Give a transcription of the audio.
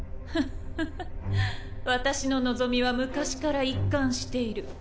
フフフ私の望みは昔から一貫している。